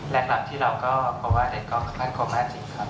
หลักที่เราก็เพราะว่าเด็กก็มั่นคงมากจริงครับ